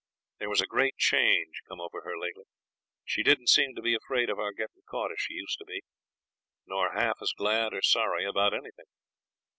There was a great change come over her lately. She didn't seem to be afraid of our getting caught as she used to be, nor half as glad or sorry about anything.